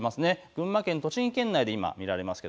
群馬県、栃木県内で今見られます。